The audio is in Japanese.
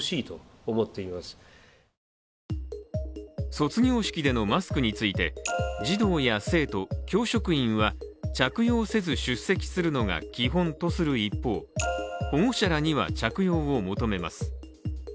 卒業式でのマスクについて、児童や生徒教職員は、着用せず出席するのが基本とする一方保護者らには着用を求めます。